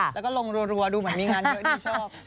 แล้วก็ลงรัวดูเหมือนมีงานเยอะที่ชอบ